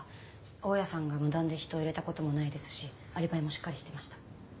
大家さんが無断で人を入れたこともないですしアリバイもしっかりしてました。